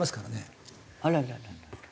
あららら。